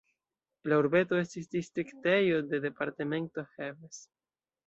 La urbeto estis distriktejo de departemento Heves.